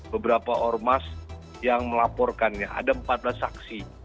beberapa ormas yang melaporkannya ada empat belas saksi